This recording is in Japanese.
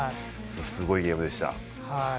すごいゲームでした。